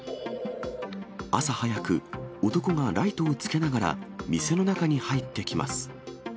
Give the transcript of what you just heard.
朝早く、男がライトをつけながら、店の中に入ってきます。